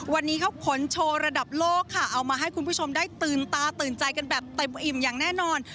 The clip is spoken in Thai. วันนี้เขาขนโชว์ระดับโลกค่ะเอามาให้คุณผู้ชมได้ตื่นตาตื่นใจกันแบบเต็มอิ่มอย่างแน่นอน